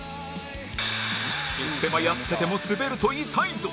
システマやっててもスベると痛いぞ！